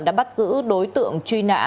đã bắt giữ đối tượng truy nã